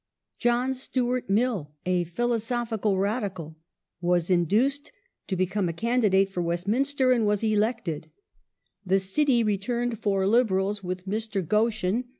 John Stuai*t Mill, a philosophical Radi cal, was induced to become a candidate for Westminster, and was elected ; the City returned four Liberals with Mr. Goschen at the 1 Morley, ii. 53.